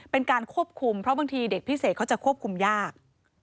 เป็นการควบคุมเพราะบางทีเด็กพิเศษเขาจะควบคุมยาก